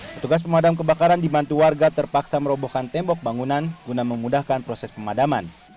petugas pemadam kebakaran dibantu warga terpaksa merobohkan tembok bangunan guna memudahkan proses pemadaman